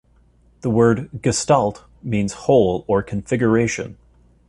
The word "Gestalt" means whole, or configuration.